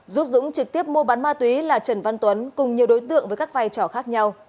giúp dũng trực tiếp mua bán ma túy là trần văn tuấn cùng nhiều đối tượng với các vai trò khác nhau